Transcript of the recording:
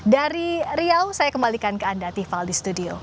dari riau saya kembalikan ke anda tiffal di studio